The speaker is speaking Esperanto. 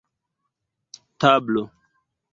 tablo